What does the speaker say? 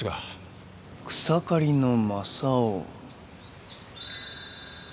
草刈の正雄？